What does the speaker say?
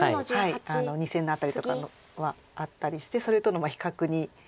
２線の辺りとかはあったりしてそれとの比較になってくる。